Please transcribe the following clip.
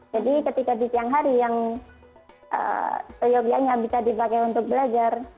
jadi ketika di siang hari yang biaya biayanya bisa dipakai untuk belajar